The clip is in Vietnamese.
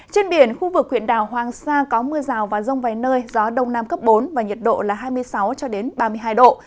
trên biển khu vực huyện đảo hoàng sa có mưa rào và rông vài nơi gió đông nam cấp bốn và nhiệt độ là hai mươi sáu ba mươi hai độ